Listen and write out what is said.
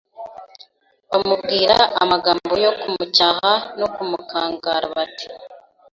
bamubwira amagambo yo kumucyaha no kumukangara bati